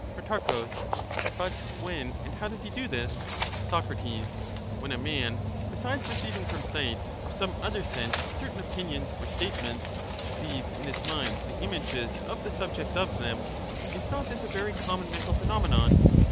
Pro, But when and how does he do this ? Soc, When a man, besides receiving from sight or some other sense certain opinions or statements, sees in his mind the images of the subjects of them; — is not this a very common mental phenomenon